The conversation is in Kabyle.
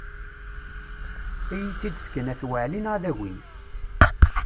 Ad iyi-tt-id-fken At Waɛli neɣ ad agin.